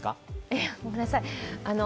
いや、ごめんなさい。